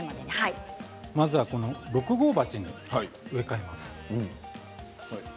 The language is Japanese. まずは６号鉢に植え替えます。